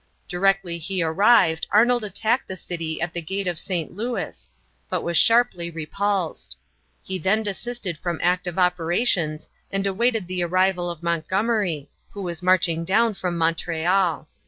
Directly he arrived Arnold attacked the city at the gate of St. Louis, but was sharply repulsed. He then desisted from active operations and awaited the arrival of Montgomery, who was marching down from Montreal.